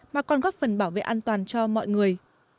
mà còn góp phần bảo vệ an toàn cho mọi người